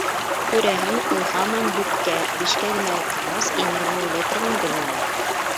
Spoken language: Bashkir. Күрәһең, ул һаман дүрткә, бишкә генә уҡығас инергә уйлай торғандыр, малай.